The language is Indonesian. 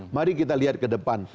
mari kita lihat ke depan